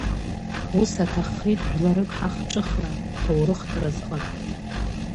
Ус аҭаххеит жәларык ҳахҿыхра, ҳҭоурыхтә разҟы.